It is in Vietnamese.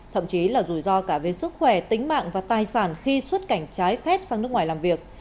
thậm chí là rủi ro cả về sức khỏe tính mạng và tài sản khi xuất cảnh trái phép sang nước ngoài làm việc